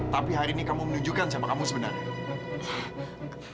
tapi hari ini kamu menunjukkan siapa kamu sebenarnya